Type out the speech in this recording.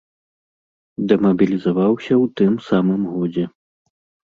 Дэмабілізаваўся ў тым самым годзе.